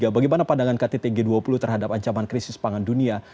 bagaimana pandangan kttg dua puluh terhadap ancaman krisis pangan dunia